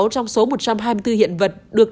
sáu trong số một trăm hai mươi bốn hiện vật được